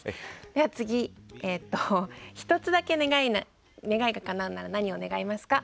では次、１つだけ願いがかなうなら何を願いますか。